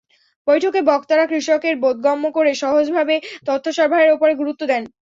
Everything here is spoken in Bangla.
বৈঠকে বক্তারা কৃষকের বোধগম্য করে সহজ ভাবে তথ্য সরবরাহের ওপরে গুরুত্ব দেন।